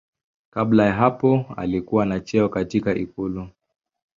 Kabla ya hapo alikuwa na cheo katika ikulu.